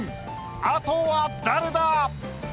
あとは誰だ